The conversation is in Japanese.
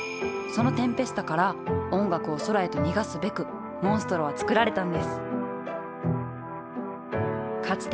そのテンペスタから音楽を空へと逃がすべくモンストロは作られたんですか